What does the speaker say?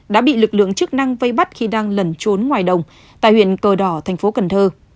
đã bị lực lượng chức năng vây bắt khi đang lẩn trốn ngoài đồng tại huyện cờ đỏ thành phố cần thơ